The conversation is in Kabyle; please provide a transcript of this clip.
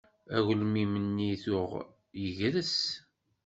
Agelmim-nni tuɣ yegres.